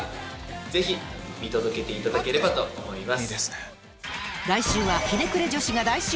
ぜひ見届けていただければと思います。